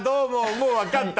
もう分かった。